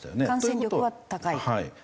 感染力は高い？